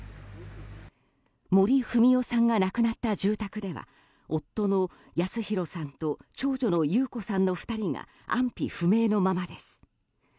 森文代さんが亡くなった住宅では夫の保啓さんと長女の優子さんの２人が安否不明のままです。